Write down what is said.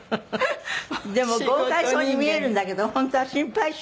でも豪快そうに見えるんだけど本当は心配性？